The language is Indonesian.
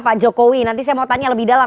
pak jokowi nanti saya mau tanya lebih dalam